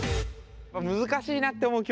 難しいなって思う